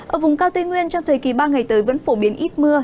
ở vùng cao tây nguyên trong thời kỳ ba ngày tới vẫn phổ biến ít mưa